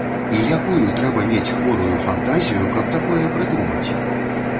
І якую трэба мець хворую фантазію, каб такое прыдумаць!